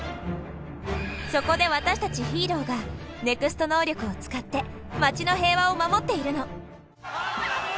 そこで私たちヒーローがＮＥＸＴ能力を使って街の平和を守っているの。